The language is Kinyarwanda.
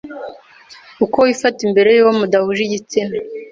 uko wifata imbere y'uwo mudahuje igitsina